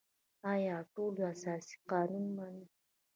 آیا ټول اساسي قانون مني؟